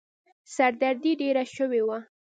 سر دردي يې ډېره شوې وه.